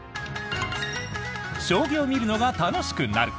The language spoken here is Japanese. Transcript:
将棋を見るのが楽しくなる！